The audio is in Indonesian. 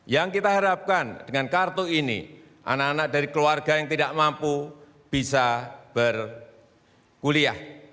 yang kita harapkan dengan kartu ini anak anak dari keluarga yang tidak mampu bisa berkuliah